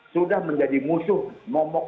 sudah menjadi musuh momok